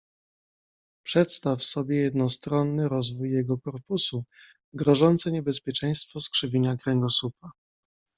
"Przedstaw sobie jednostronny rozwój jego korpusu, grożące niebezpieczeństwo skrzywienia kręgosłupa."